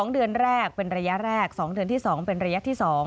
๒เดือนแรกเป็นระยะแรก๒เดือนที่๒เป็นระยะที่๒